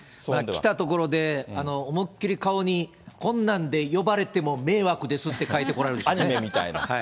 来たところで、思いっきり顔に、こんなんで呼ばれても迷惑ですって書いて来られるでしょうね。